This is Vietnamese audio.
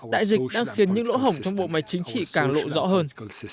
đại dịch đang khiến những lỗ hổng trong bộ máy chính trị càng lộ rõ hơn